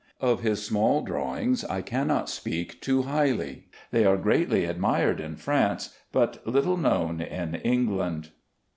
Of his small drawings I cannot speak too highly. They are greatly admired in France, but little known in England.